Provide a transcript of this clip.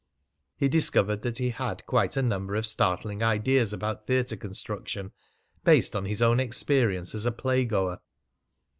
He discovered that he had quite a number of startling ideas about theatre construction, based on his own experience as a playgoer.